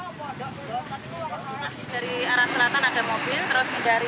dari arah selatan ada mobil terus hindari